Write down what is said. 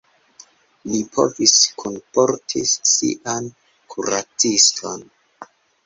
Li povis kunportis sian kuraciston.